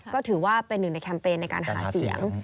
ก็ถือว่าเป็นหนึ่งในแคมเปญในการหาเสียง